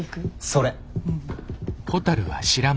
それ！